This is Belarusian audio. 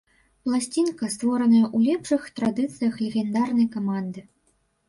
Пласцінка, створаная ў лепшых традыцыях легендарнай каманды.